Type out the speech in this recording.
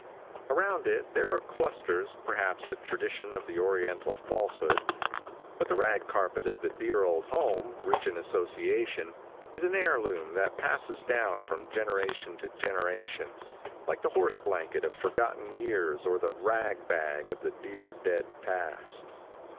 Around it there clusters, perhaps, a tradition of an Oriental falsehood, but the rag carpet of the dear old home, rich in association, is an heir loom that passes down from generation to generation, like the horse blanket of forgotten years or the ragbag of the dear, dead past.